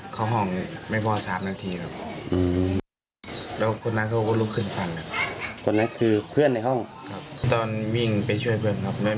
คือเหตุเกิดในห้องเรียนเลย